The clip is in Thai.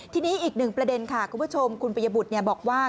ทีนี้อีกหนึ่งประเด็นค่ะคุณผู้ชมคุณปริยบุตรบอกว่า